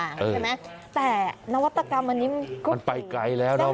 เออใช่ไหมแต่นวัตกรรมอันนี้มันก็มันไปไกลแล้วนะไม่ต้อง